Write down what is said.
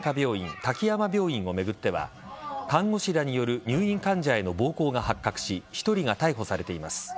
滝山病院を巡っては看護師らによる入院患者への暴行が発覚し１人が逮捕されています。